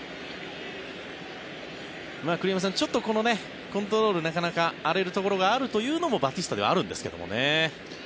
栗山さん、ちょっとコントロールなかなか荒れるところがあるというのもバティスタではあるんですけどね。